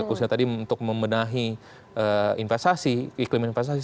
khususnya tadi untuk membenahi investasi iklim investasi